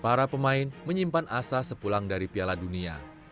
para pemain menyimpan asa sepulang dari piala dunia